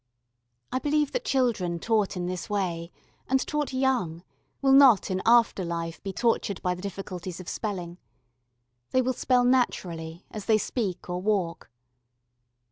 I believe that children taught in this way, and taught young, will not in after life be tortured by the difficulties of spelling. They will spell naturally, as they speak or walk.